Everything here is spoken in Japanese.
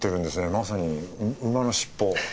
まさに馬の尻尾。